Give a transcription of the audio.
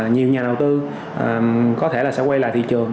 nhiều nhà đầu tư có thể là sẽ quay lại thị trường